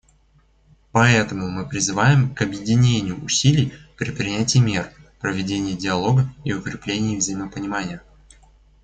Поэтому мы призываем к объединению усилий при принятии мер, проведении диалога и укреплении взаимопонимания.